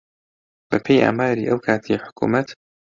بەپێی ئاماری ئەو کاتی حکوومەت